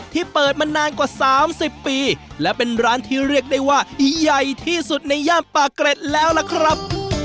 ที่เปิดมานานกว่า๓๐ปีและเป็นร้านที่เรียกได้ว่าใหญ่ที่สุดในย่านปากเกร็ดแล้วล่ะครับ